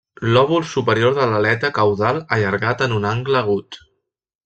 Lòbul superior de l'aleta caudal allargat en un angle agut.